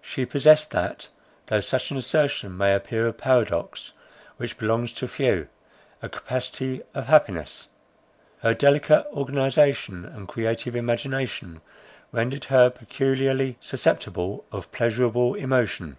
She possessed that (though such an assertion may appear a paradox) which belongs to few, a capacity of happiness. Her delicate organization and creative imagination rendered her peculiarly susceptible of pleasurable emotion.